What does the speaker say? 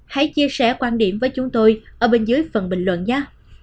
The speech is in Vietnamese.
hãy chia sẻ quan điểm với chúng tôi ở bên dưới phần bình luận giá